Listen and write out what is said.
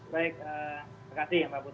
baik terima kasih mbak putri